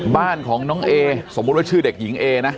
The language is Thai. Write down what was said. บ้านของน้องเอสมมุติว่าชื่อเด็กหญิงเอนะ